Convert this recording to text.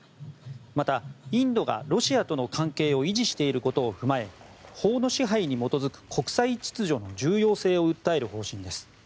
またインドがロシアとの関係を維持していることを踏まえ法の支配に基づく国際秩序の重要性を訴える方針です。